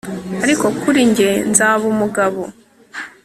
ariko kuri njye, nzaba umugabo